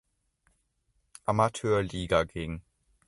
Amateurliga ging.